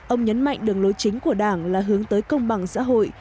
ông nhấn mạnh đường lối chính của đảng là hướng tới công bằng xã hội